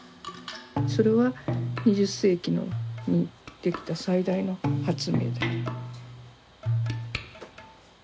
それは２０世紀にできた最大の発明だと。